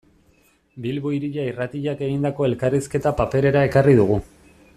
Bilbo Hiria Irratiak egindako elkarrizketa paperera ekarri dugu.